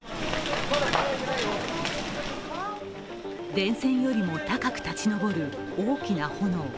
電線よりも高く立ち上る大きな炎。